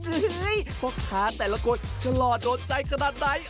พ่อค้าแต่ละคนจะหล่อโดนใจขนาดไหน